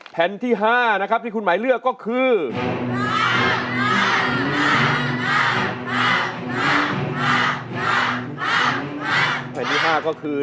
แผ่นที่๕นะครับที่คุณหมายเลือกก็คือ